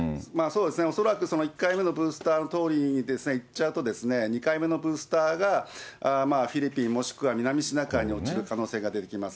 恐らく１回目のブースターのとおりにいっちゃうと、２回目のブースターがフィリピン、もしくは南シナ海に落ちる可能性が出てきます。